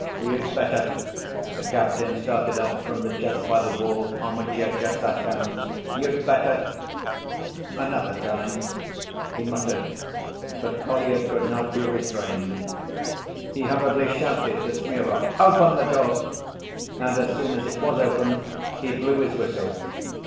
"You'd better," the captain started up from the chest by the wall on which he had just sat down, "you'd better ... another time," he muttered, but Kolya could not be restrained. He hurriedly shouted to Smurov, "Open the door," and as soon as it was open, he blew his whistle.